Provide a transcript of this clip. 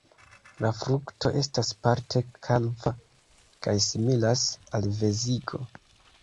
La frukto estas parte kalva kaj similas al veziko.